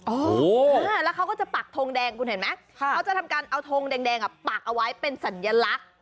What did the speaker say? โอ้โฮแล้วเขาก็จะปากทงแดงเขาจะทำการเอาทงแดงปากเอาไว้เป็นสัญลักษณ์